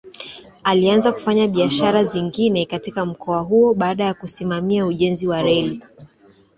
Alianza kufanya biashara zingine katika mkoa huo baada ya kusimamia ujenzi wa reli.